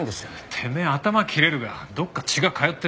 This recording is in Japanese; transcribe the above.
てめえ頭は切れるがどっか血が通ってねえ！